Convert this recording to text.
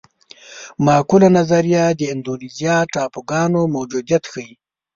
معقوله نظریه د اندونیزیا ټاپوګانو موجودیت ښيي.